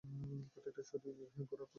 প্রত্যেকটা ছুরিই গোঁড়া পর্যন্ত বিঁধতে হবে!